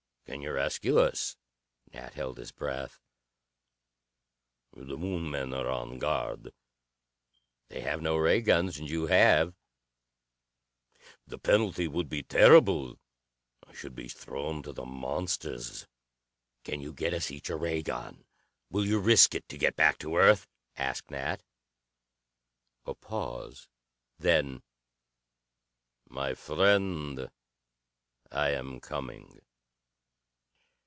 "Can you rescue us?" Nat held his breath. "The Moon men are on guard." "They have no ray guns and you have." "The penalty would be terrible. I should be thrown to the monsters." "Can you get us each a ray gun? Will you risk it, to get back to Earth?" asked Nat. A pause. Then, "My friend, I am coming."